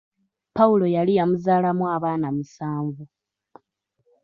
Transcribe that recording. Pawulo yali yamuzaalamu abaana musanvu.